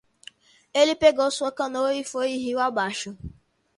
Ele pegou sua canoa e foi rio abaixo.